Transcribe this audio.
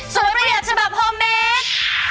สวยปรัญญาชบับโฮมเมก